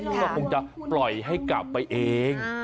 ก็คงจะปล่อยให้กลับไปเอง